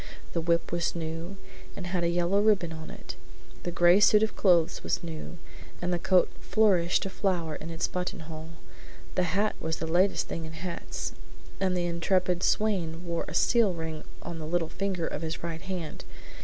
The whip was new and had a yellow ribbon on it; the gray suit of clothes was new, and the coat flourished a flower in its button hole. The hat was the latest thing in hats, and the intrepid swain wore a seal ring on the little finger of his right hand.